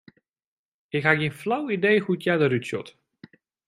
Ik ha gjin flau idee hoe't hja derút sjocht.